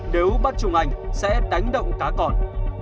nếu bắt trùng ảnh sẽ đánh động cá con